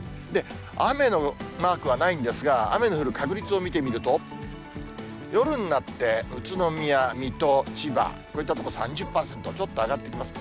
雨のマークはないんですが、雨の降る確率を見てみると、夜になって、宇都宮、水戸、千葉、こういった所、３０％。ちょっと上がってきます。